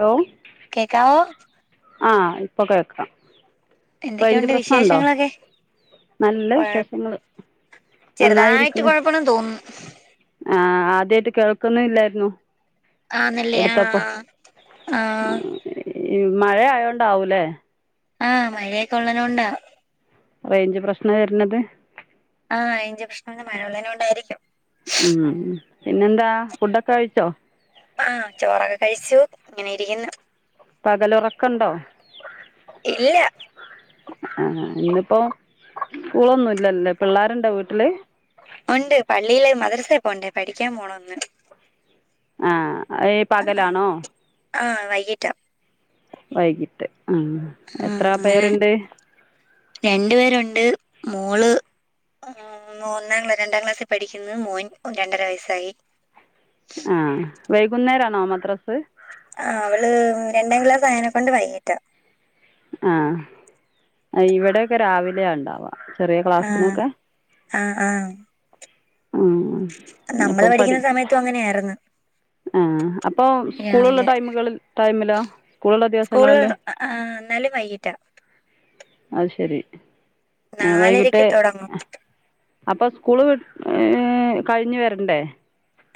Hello കേക്കാവോ ആ ഇപ്പോൾ കേൾക്കാം ഇ റെയ്ഞ്ച് എന്തൊക്കെയുണ്ട് പ്രശ്നുണ്ടോ വിശേഷങ്ങളൊക്കെ നല്ല കൊഴ വിശേഷങ്ങള് ചെറുതായിട്ട് നന്നായിരിക്കുന്നു കൊഴപ്പണെന്ന് തോന്നുന്നു ആഹ് ആദ്യായിട്ട് കേൾക്കുന്ന് ഇല്ലായിരുന്നു ആണല്ലേ ആഹ് ആഹ് ആഹ് ഈ മഴ ആയോണ്ടാവൂലെ ആഹ് മഴയെക്കെ ഉള്ളയ്നെണ്ടാ റേഞ്ച് പ്രശ്നം വരുന്നത് ആഹ് റെയിഞ്ച് പ്രശ്നം മഴയുള്ളയ്നെ കൊണ്ടായിരിക്കും ഉം പിന്നെന്താ ഫുഡൊക്കെ കഴിച്ചോ? ആഹ് ചോറൊക്കെ കഴിച്ചു ഇങ്ങനെ ഇരിക്കുന്നു പകലൊറക്കണ്ടോ? ഇല്ല്യ. ആഹ് ഇന്ന്പ്പോ സ്കൂളൊന്നുംല്ലല്ലേ പിള്ളേര്ണ്ടോ വീട്ടില്? ഉണ്ട് പള്ളിയില് മദ്രസേ പോണ്ടേ പഠിക്കാൻ പോണംന്ന് ആഹ് ഏഹ് പകലാണോ ആഹ് വൈകീട്ടാ വൈകിട്ട് ആഹ് എത്ര അങ്ങനെ പേര്ണ്ട്? രണ്ടു പേരുണ്ട് മോള് ഉം ഒന്നാം ക്ലാ രണ്ടാം ക്ലാസ്സി പഠിക്കുന്നു മോൻ രണ്ടര വയസ്സായി ആഹ് വൈകുന്നേരാണോ മദ്രസ് ആഹ് അവള് രണ്ടാം ക്ലാസ് ആയേനെ കൊണ്ട് വൈകീട്ടാ. ആഹ് ഇവിടെയൊക്കെ രാവിലെയാ ഇണ്ടാവാ ചെറിയ ആഹ് ക്ലാസിനൊക്കെ ആഹ് ആഹ് നമ്മള് പഠിക്കുന്ന സമയത്തും അങ്ങനെയാര്ന്ന് ആന് അപ്പൊ സ്കൂളുള്ള ടൈമുകള് ടൈമിലോ സ്കൂള് ള്ള സ്കൂളിൽ ദിവസങ്ങളില് എന്നാലും വൈകീട്ടാ അത് ശരി ആ വൈകീട്ട് നാലരക്ക് തുടങ്ങും അപ്പൊ സ്കൂള് വി ഏ കഴിഞ്ഞു വരണ്ടേ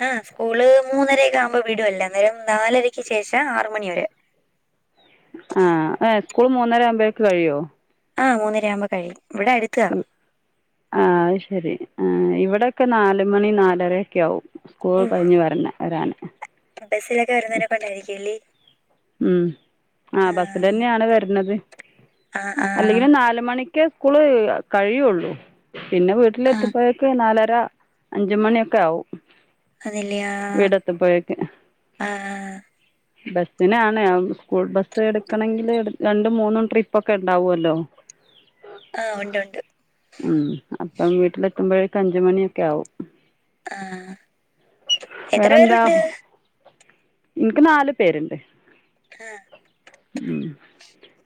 ആഹ് സ്കൂള് മൂന്നരയെക്കെ ആവുമ്പോ വിടൊല്ല അന്നേരം നാലരക്ക് ശേഷം ആറ് മണിവരെ. ആഹ് ഏ സ്കൂൾ മൂന്നര ആവുമ്പഴേക്ക് കഴിയോ ആഹ് മൂന്നരയാവുമ്പൊ കഴിയും ഇവിടെ അടുത്താ ആഹ് അത് ശരി ആ ഇവിടൊക്കെ നാലുമണി നാലരെക്കെ ആവും. സ്കൂൾ കഴിഞ്ഞ് വര്ണേ വരാന് ബസ്സിലൊക്കെ വരുന്നതിനെ കൊണ്ടായിരിക്കുംല്ലേ ഉം ആഹ് ബസ്സിലെന്നെയാണ് വര്ന്നത് ആഹ് ആഹ് അല്ലെങ്കിലും നാല് മണി ക്കെ സ്കൂള് വെയ്യാ കയ്യോള്ളു പിന്നെ ആഹ് വീട്ട്ലെത്ത്മ്പയേക്ക് നാല ര അഞ്ച്മണിയൊക്കാവും അതില്ല്യാ ആഹ് പിന്നെയാണ് ആഹ് സ്കൂൾ ബസ് ഇട്ക്കണെങ്കില് ഇട് രണ്ടും മൂന്നും ട്രിപ്പൊക്കെ ഇണ്ടാവല്ലോ ആഹ് ഉണ്ട് ഉണ്ട് പ്പം വീട്ട്ലെത്ത്മ്പഴേക്ക് അഞ്ച് മണിയൊക്ക്യാവും ആഹ് എത്ര പേരുണ്ട് ഇന്ക്ക് നാല് പേര്ണ്ട് ആഹ് ഉം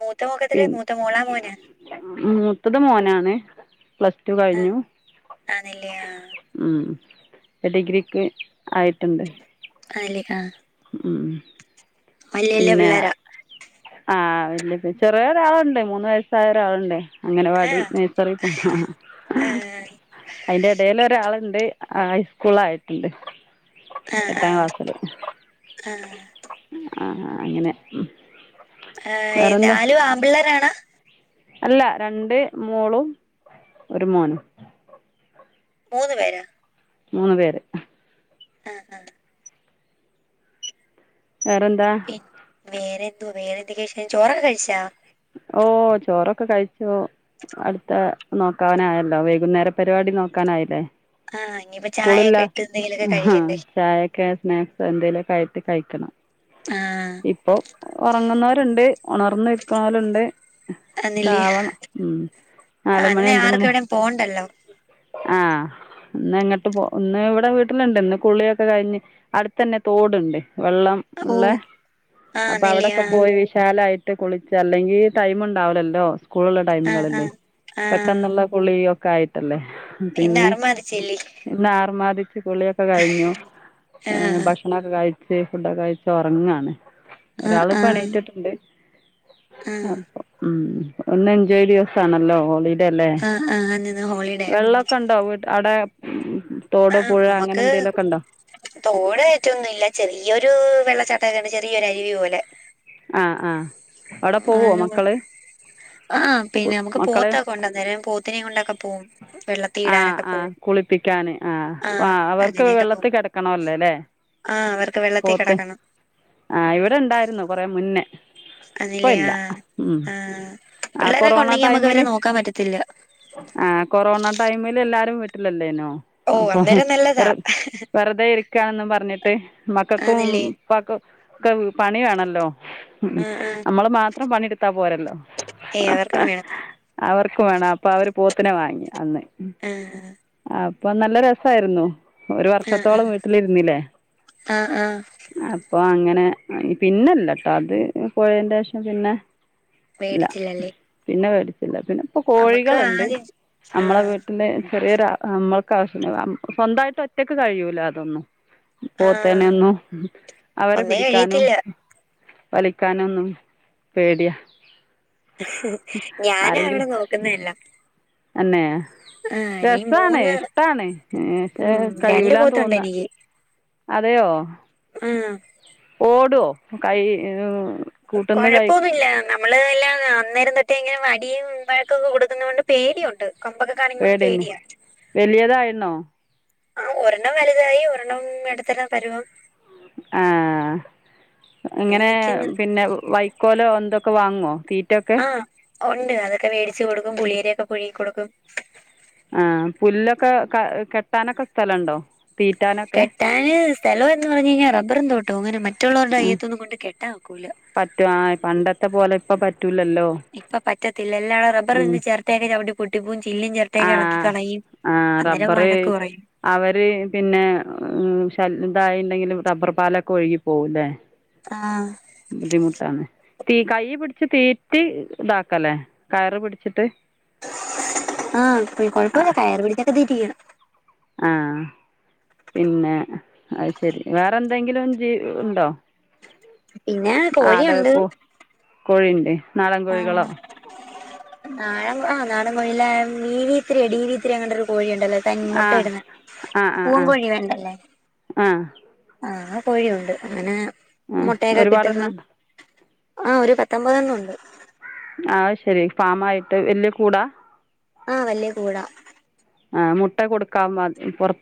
മൂത്ത മോക്കത്രെ പിന്നെ മൂത്ത മോളാ മോനാ മൂത്തത് മോനാണ് പ്ലസ് ടു ആഹ് കഴിഞ്ഞു ആന്നല്ലേ ആഹ് ഉം ഡിഗ്രിക്ക് ആയിട്ടുണ്ട് അയ്ല് ആഹ് ഉം വല്യ വല്യ പിന്നെ പിള്ളേരാ ആഹ് [unintelligible] ല്ലെപ്പൻ ചെറിയ ഒരാള്ണ്ട് മൂന്ന് വയസ്സായ ഒരാള്ണ്ടെ അംഗനവാടി ആഹ് നഴ്സറി പോ ആഹ് അയിന്റെ എടേല് ഒരാള്ണ്ടേ ആഹ് ഹൈസ്കൂളായിട്ട്ണ്ട് ആഹ് എട്ടാ ആഹ് ക്ലാസില് ആഹ് ആഹ് ആഹ് അങ്ങനെ ഉം ഏയ് നാലും ആമ്പിള്ളേരാണ് അല്ല രണ്ട് മോളും ഒരു മോനും മൂന്ന് പേരാ മൂന്ന് പേര് ആഹ് ആഹ് വേറെന്താ? പി വേറെന്തോ വേറെന്ത് വിശേഷംചോറൊക്കെ കഴിച്ചാ? ഓഹ് ചോറൊക്കെ കഴിച്ചു. അടുത്ത നോക്കാവാനായല്ലോ വൈകുന്നേര പരിവാടി നോക്കാനായില്ലേ? ആഹ് ഇനിയിപ്പ സ്കൂളില്ല ചായയൊക്കെ ഇട്ട് എന്തെങ്കിലുമൊക്കെ ഹ കഴിക്കണ്ടേ ചായൊക്കെ സ്നാക്സ് എന്തേലും കായിറ്റ് കഴിക്കണം. ആഹ് ഇപ്പൊ ഉറങ്ങുന്നവരുണ്ട്. ഉണർന്ന് കാലുണ്ട് അന്നില്ലേ കാവണം ഉം നാലുമണി അന്ന് ആർക്കും അഞ്ചുമണി എവിടേം പോണ്ടല്ലോ ആഹ് ഇന്ന് എങ്ങട്ട് പോ ഇന്ന് ഇവിടെ വീട്ടിലണ്ട് ഇന്ന് കുള്ളിയൊക്കെ കഴിഞ്ഞ് അടുത്തന്നെ തോടുണ്ട്. വെള്ളം ഓഹ് ഉള്ളെ അപ്പൊ ആന്നല്ലേ അവിടെക്കെ ആഹ് പോയി വിശാലായി ട്ട് കുളിച്ച അല്ലെങ്കി ടൈമ്ണ്ടാവ് ലല്ലോ സ്കൂൾള്ള ആഹ് ടൈമുകളല്ലേ. ആഹ് ആഹ് പെട്ടെന്നുള്ള കുളിയൊ ക്കായിട്ടല്ലേ ഇന്ന് പിന്നെ അർമാദിച്ചല്ലേ ഇന്ന് ആർമാതി തിച്ച് ക്കുളിയൊക്കെ കഴിഞ്ഞു ആഹ് ഭക്ഷണൊക്കെ കഴിച്ച ഫുഡൊക്കെ കഴിച്ച് ഉറങ്ങയാണ് ആഹ് ഒരാള് ആഹ് പണീറ്റിട്ടുണ്ട് ആഹ് അപ്പ ഉ ഒന്ന് എൻജോയ് ദിവസംആണല്ലോ ഹോളിഡേ ആ ആ ഇന്ന്ഞ് ഹോളി വെള്ളമൊക്കെ ഉണ്ടാ വിട്ട് അവിടെ ആ തോട് പുഴ അങ്ങനെ നമുക്ക് എന്തേലുമൊക്കെ ഉണ്ടോ തോട് ഏറ്റൊന്നുംല്ല ചെറിയൊരു വെള്ളച്ചാട്ടക്ക പുതിയൊ അരുവി പോലെ ആ ആ അവിടെ പോവോ മക്കള് ആ പിന്നെ നമുക്ക് മക്കളെ പോത്തൊക്കെ കൊണ്ട നേരം പോത്തിനെ കൊണ്ടൊക്കെ പോവും വെള്ളത്തി ആ ഇടാനൊക്കെ ആ പോവും കുളിപ്പിക്കാന് ആ ആ ആഹ് അവർക്ക് അങ്ങനെയൊക്കെ പോവും വെള്ളത്തിൽ കിടക്കണല്ലേല്ലേ ആഹ് അവർക്ക് വെള്ളത്തി പോത്ത് കിടക്കണം ആ് ഇവിടെ ഉണ്ടായിരുന്നു കൊറ മുന്നേ ഇപ്പോൾ അന്നില്ല ഇല്ല ഉം ആഹ ആ പിള്ളേരൊക്കെ കൊറോണ ഉണ്ടെങ്കി നമുക്ക് ടൈമിൽ അവരെ നോക്കാൻ പറ്റത്തില്ല ആ കൊറോണ ടൈമിൽ എല്ലാരും വിട്ടില്ലല്ലേനോ ഓ അപ്പൊ അന്നേരം വ നല്ലതാ വെറുതെ ഇ ക്കാണെന്നും പറഞ്ഞിട്ട് മക്കൾക്കും ആന്നില്ലേ ഉപ്പാക്കും ഒക്കെ പണി വേണല്ലോ ഉ ആഹ് ആഹ് നമ്മള് മാത്രം പണിയെടുത്താ പോരല്ലോ ഏയ് അവർക്കും വേണം അവർക്ക് വേണപ്പാ അവർ പോത്തിനെ വാങ്ങി അന്നേ ആഹ ആഹ ഇപ്പൊ നല്ല രസമായിരുന്നു ഒരു ആഹ് വർഷത്തോളം ആഹ് വീട്ടിലിരുന്നില്ലേ ആഹ് ആഹ് അപ്പൊ അങ്ങനെ പിന്നല്ലട്ട അത് പോഴേന്റെ ശേഷം പിന്നെ ഇല്ല മേടിച്ചില്ലല്ലേ പിന്നെ മേടിച്ചില്ല പിന്നെ ഇപ്പൊ നമുക്ക് കോഴികളുണ്ട് ആദ്യം ആഹ് നമ്മളവി ചെറിയ നമ്മൾക്ക് ആവശ്യ സ്വന്തമായിട്ട് ഒറ്റക്ക് കഴിയൂല അതൊന്നും ആഹ് പോത്തേനെന്നു അവരെ ഒന്നേ പിടിക്കാനും കഴിയത്തില്ല വലിക്കാനൊന്നും പേടിയാ ഞാന അവിടെ നോക്കുന്നല്ല അന്നെ രസാണ് ഇഷ്ടാണ് ഏക്ഷെ ഉം രണ്ട് കഴിവൂലന്ന് പോത്തുണ്ട് തോന്ന എനിക്ക് അതെയോ ആ ഓടോ കൈ മം കൊഴപ്പൊന്നുല്ല നമ്മള് എല്ലാം ആ അന്നേരം തൊട്ടേ വടിയും വഴക്കൊക്കെ കൊടുക്കുന്നതു കൊണ്ട് പേടിയുണ്ട് കൊമ്പൊക്കെ കാണിക്കുന്നത് പേടിന്നെ പേടിയാ വലിയതായിരുന്നോ ആ ഒരെണ്ണം വലുതായി ഒരെണ്ണം എടതാരം പരുവാം ആ അങ്ങനെ എങ്ങനെ നിക്കുന്നു പിന്നെ വൈക്കോലോ എന്തൊക്കെ വാങ്ങോ തീറ്റൊക്കെ ആ ഉണ്ട് അതൊക്കെ വേടച്ച്ു കൊടുക്കും പുളിയരൊക്കെ പുഴിങ്ങി കൊടുക്കും ആഹ പുല്ലൊക്കെ ക കെട്ടാനൊക്കെ സ്ഥലുണ്ടോ കെട്ടാാന് സ്ഥലം എന്ന് പറഞ്ഞ കഴിഞ്ഞൽ റബ്ബറും തോട്ടം അങ്ങനെ മറ്റുള്ളവരുടെ അയ്യത്തൊന്നും കൊണ്ട് കെട്ടാൻ നോക്കൂല്ലേ പറ്റു ആ പണ്ടത്തെ പോലെ ഇപ്പം പറ്റില്ലല്ലോ ഇപ്പൊ പറ്റത്തില്ല റബറിന്ന് ചിരത്തയാക്കെ ചവിട്ട പൊട്ടി പോവും ചില്ലും ആ ചർുത്തേക്കെ ഇളക്കി കളയും ആ അന്നേരം റബ്ബർ വഴക്ക് പറയും അവര് പിന്നെ മം ഷാ ഇതായിണ്ടെങ്കിലിൽ റബ്ബർപാലൊക്കെ ഒഴുകി പോവുല്ലേ ആഹ് ബുധിമുട്ടാണ് തീ കൈ പിടിച്ച് തീറ്റി ഇതാക്കല്ലേ കയറ് പിടിച്ചിട്ട് ആഹ ആ കൊഴപ്പമില്ല കയറ് പിടിച്ചൊക്കെ തീറ്റികും ആ പിന്നെ അത് ശരി വേറെന്തെങ്കിലും ജീ ഉണ്ടോ പിന്നെ കോയിയിണ്ട് കോഴിയിണ്ടേ ആഹ് ആയാ ആഹ് നാടൻ കോഴിയിലെ വിവിത്രീ ഡി വി ത്രീ എങ്ങഡ് ഒരു കോഴിയുണ്ട് ണ്ടല്ല ആ മുട്ടയിടുന്ന ആ ആ ആ പൂവൻക്കോഴി വേണ്ടല്ലേ ആ ആ ആ കോഴിയും ഉണ്ട് അങ്ങനെ ആ ഒരുപാട് എണ്ണം ഉണ്ടോ ആഹ് ഒരു പത്തൊമ്പത് എണ്ണ മുണ്ട് ആ ശരി ഫാമ ആയിട്ട് വല്യ കൂടാ ആഹ് വല്ല്യാ കൂടാ ആ മുട്ട കൊടുക്കാവ പെറ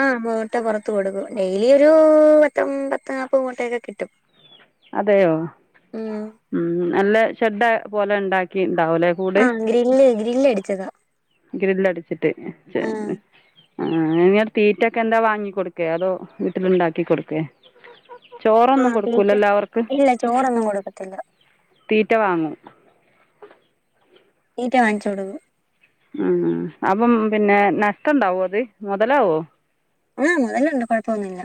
ആ മുട്ട പുറത്ത് കൊടുക്കും ഡെയിലി ഒരു പത്ത പത്ത് നാപ്പത് മെട്ടയൊക്കെ കിട്ടും അതെയോ ഉം നല്ല ഷെഡ പോലെ ഒണ്ടാക്കി ചാവല കൂടെ ആ ഗ്രില്ല് ഗ്രില്ല് അടിച്ചതാ ഗ്രില്ല് അടിച്ചിട്ട് വെച്ചേ ആ ആ നിങ്ങൾ തീറ്റൊക്കെ എന്താ വാങ്ങിക്കൊടുക്കേ അതോ വീട്ടിൽ ഒണ്ടാക്കി കൊടുക്കെ ആ ചോറൊന്നും കൊടുക്കൂ തീറ്റ എല്ലാവ ഇല്ല ചോറൊന്ന കൊടുക്കത്തില്ല തീറ്റ വാങ്ങും തീറ്റ വങ്ങിച്ചു കൊടുക്കും ഉം അപ്പം പിന്നെ നഷ്ടം ഉണ്ടാവോ അത് മെതലാവോ ആഹ് മെതലുണ്ട് കൊഴപ്പൊന്നുമില്ല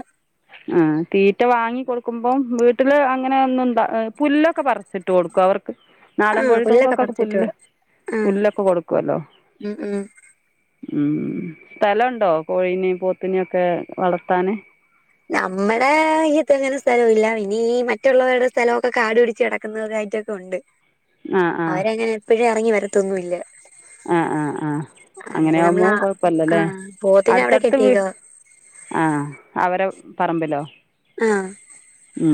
ആ തീറ്റ വാങ്ങി കൊടുക്കുമ്പം വീട്ടില് അങ്ങനെ ഒന്നുംന്താ പുല്ലൊക്കെ പറച്ചിട്ട് കൊടുക്കും അവർക്ക് നാടൻ ആ പുല്ലൊക്കെ കോഴികൾക്കൊക്കൊക്കെ പറിച്ചിട്ട് പുല്ല് ആ പുല്ലൊക്കെ കൊടുക്കുവല്ലോ ഉം ഉം ഉം സ്ഥലുണ്ടോ കോഴീനെയും പോത്തിനെയും ഒക്കെ വളർത്താന് നമ്മുടെ അയ്യത്തെ അങ്ങനെ സ്ഥലവും ഇല്ല ഇനി മറ്റുള്ളവരുടെ സ്ഥലമൊക്കെ കാടു പിടിച്ച് കിടക്കുന്നവർായിട്ടൊ ഒണ്ട് ആ ആ അവരെങ്ങനെ എപ്പഴും എറങ്ങി വരത്തൊന്നുയില്ല ആഹ് ആഹ് ആഹ് അങ്ങനെ ആകുമ്പോ നമ്മളാ കൊഴപ്പല്ലല്ലേ ആഹ് പോത്തിനെ അവിടെ അടുത്തടുത്ത് വിട് കെട്ടിയേക്കുവാ. ആ അവരെ പറമ്പിലോ ആ ഉ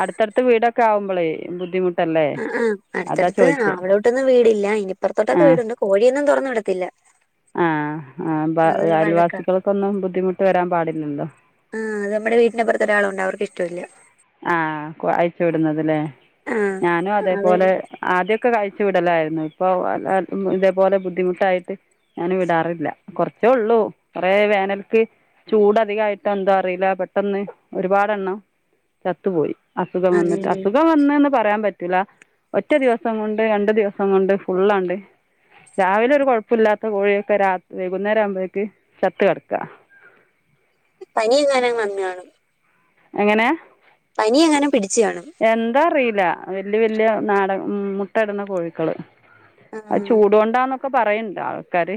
അടുത്തടുത്ത് വീടൊക്കെ ആവുമ്പോളേ ബുദ്ധിമുട്ട് ആ ആ് അടുത്തടുത്ത് അവിടെട്ടൊന്നും വീടില്ല ആ ഇനിപ്പുറത്തോട്ടൊത്ത് വീടുണ്ട് കോഴിയൊന്നും തെറന്നു വിടത്തില്ല ആ അത് വഴക്കാ. അയൽവാസികൾക്കൊന്നും ബുദ്ധിമുട്ട് വരാൻ പാടില്ലല്ലോ നമ്മുടെ വീട്ടിനന്റെ പുറ ഒരാളുണ്ട് അവർക്ക് ഇഷ്ടമില്ല ആ അയച്ചു വിടുന്നത് അല്ലേ. ആഹ് ഞാനും അത് അതേപോലെ ആദ്യ ഒക്കെ കഴിച്ചു വിടലായിരുന്നു ഇപ്പൊ ഇതേപോലെ ബുദ്ധിമുട്ടായിട്ട് ക് ഞാൻ വിടാറില്ല കുറച്ചേ ഉള്ളൂ കൊറെേ വേനൽക്ക് ചൂടധികമായിട്ട് എന്തോ അറിയില്ല പെട്ടെന്ന് ഒരുപാടെണ്ണം ചത്തുപോയി അസുഖം വന്നിട്ട് അതന്നെ അസുഖം വന്നന്ന് പറയാൻ പറ്റ പറ്റുല ഒറ്റ ദിവസം കൊണ്ട് രണ്ടു ദിവസം കൊണ്ട് ഫുള്ളാണ്ട് രാവിലെ ഒരു കൊഴപ്പില്ലാത്ത കോഴിയൊക്കെ രാത്രി വൈകുന്നേരം ആവുമ്പോഴേക്ക് ചത്ത കിടക്കാ പനിയെങ്ങാനും വന്നു കാണും എങ്ങനെയാ പനി എങ്ങനെ പിടിച്ച് കാണും. എന്താ അറിയില്ല വല്യ വല്യ നാടക ഉ മുട്ട ഇടുന്ന കോഴികള് അത് ആഹ് ചൂട് കൊണ്ടാണ് ഒക്കെ പറയണ്ട് ആൾക്കാര്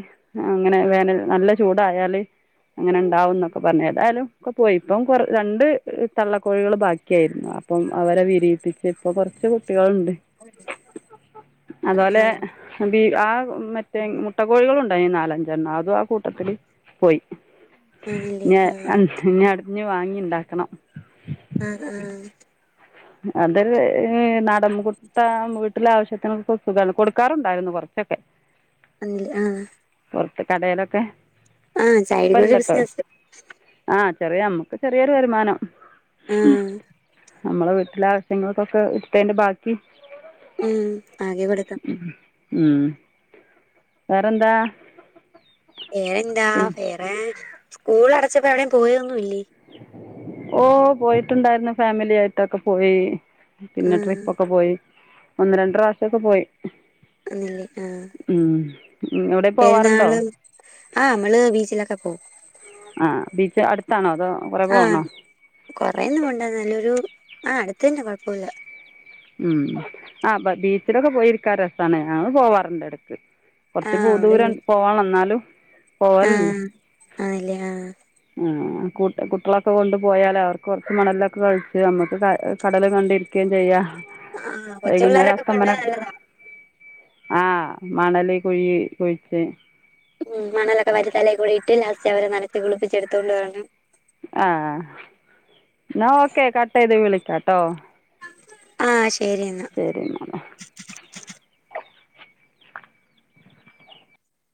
അങ്ങനെ വേനൽ നല്ല ചൂടായാല് അങ്ങനെ ഉണ്ടാവും എന്നൊക്കെ പറഞ്ഞ ഏതായാലും ഒക്കെ പോയി ഇപ്പം കൊ രണ്ട് തള്ളക്കോഴികൾ ബാക്കിയായിരുന്നു ഇപ്പം അവരെ വിരിപ്പിച്ച് ഇപ്പം കുറച്ച് കുട്ടികളുണ്ട് അതുപോലെ ആഹ് ആഹ് മറ്റേ മുട്ട കോഴികളുണ്ടായി നാലഞ്ചെണ്ണം. അതും ആ കൂട്ടത്തില് പോയി. ആണല്ലേ ഇനി ആഹ് അൻ ഞ്ഞി അട് ഞ് വാങ്ങിണ്ടാക്കണം. അഹ് ആഹ് അതൊരു ഏഹ് നടൻ മു കുട്ട വീട്ടിലെ ആവശ്യത്തിനൊക്കെ സുഖാണ്. കൊടുക്കാറുണ്ടായിരുന്നു കൊർ ച്ചൊക്കെ അൽ ആഹ് പൊർത്ത് കടേലൊക്കെ ആഹഹ് സൈടൊര് ബിസ്നസ്സ് ആ ചെറിയ അമക്ക് ചെറിയരു വരുമാനം ആഹ് നമ്മളെ വീട്ടിലെ ആവശ്യങ്ങൾക്കൊക്കെ ഇട്ത്തെയ്ന്റെ ബാക്കി ഉം ആകെ കൊടുക്കാം ഉം വേറെന്താ വേറെ എന്താ പിന്നെ വേറെ സ്കൂൾ അടച്ചപ്പോ എവിടേം പോയൊന്നുല്ലേ ഓ പോയിട്ടുണ്ടായിരുന്നു ഫാമിലി ആയിട്ടൊക്കെ പോയി ആ പിന്നെ ട്രിപ്പൊക്കെ പോയി ഒന്ന് രണ്ട് പ്രാശ്യൊക്കെ പോയി അല്ല ആ എവിടെയും പോവാറുണ്ടോ പെരുന്നാള് ആ നമ്മള് ബീച്ചിലൊക്കെ പോകും ആ ബീച്ച് അടുത്താണോ അതോ കുറേ ആഹ പോവണോ കൊറന്നും കൊണ്ടന്നല്ലരു ആ അടുത്ത തന്നെ കൊഴപ്പമില്ല ഉം ആ ബീച്ചിലൊക്കെ പോയിരിക്കാ രസാണ് ഞങ്ങള് പോവാറുണ്ട് ഇടയ്ക്ക് ആ കുറച്ച് പൂ അവള് ദൂരം പോവാണ് എന്നാലും ആ പോവല ആണല്ലേ ആ ആ കുട്ടികളൊക്കെ കൊണ്ടു പോയാല അവർക്ക് കുറച്ച് മണലൊക്കെ കളിച്ച് നമുക്ക് കടൽ കണ്ടിരിക്കുകയും ചെയ്യാം ആ കൊച്ചു വൈകുന്നേരം പിള്ളേരൊക്കെ കൊണ്ട് അസ്തമന നല്ലതാ ആഹ മണല് കുഴി കുഴിച്ച് ഉ മണലൊക്കെ വാരി തലേകൂടി ഇട്ട് ലാസ്റ്റ് അവരെ നനച്ച് കുളിപ്പിച്ചെടുത്തോണ്ട് വരണം ആ എന്നാൽ ഓക്കെ കട്ട് ചെയ്ത് വിളിക്കാം കേട്ടോ ആഹ ശരി മല